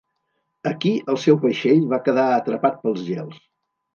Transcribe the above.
Aquí el seu vaixell va quedar atrapat pels gels.